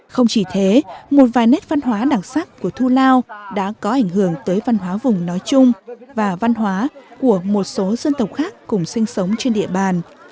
không chỉ thế một vài nét văn hóa đặc sắc của thu lao đã có ảnh hưởng tới văn hóa vùng nói chung và văn hóa của một số dân tộc khác cùng sinh sống trên địa bàn